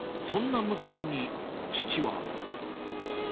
そんな娘に、父は。